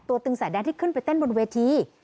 ตึงสายแดงที่ขึ้นไปเต้นบนเวที